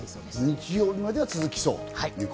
日曜日までは続きそうという